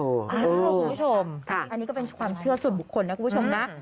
คุณผู้ชมอันนี้ก็เป็นความเชื่อส่วนบุคคลนะคุณผู้ชมนะ